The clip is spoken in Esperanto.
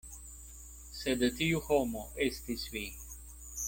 Sed tiu homo estis vi.